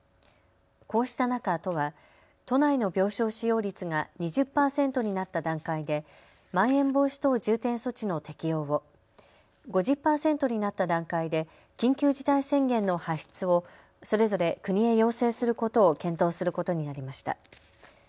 こうした中、都は都内の病床使用率が２０％になった段階でまん延防止等重点措置の適用を、５０％になった段階で緊急事態宣言の発出をそれぞれ国へ要請することを検討することになりました。